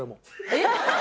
えっ！？